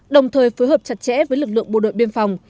đồng thời phối hợp chặt chẽ với lực lượng bộ đội biên phòng